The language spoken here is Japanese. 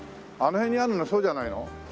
あの辺にあるのそうじゃないの？